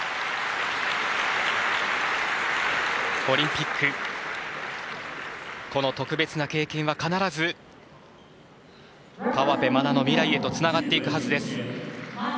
オリンピックこの特別な経験は必ず、河辺愛菜の未来へとつながっていくはずです。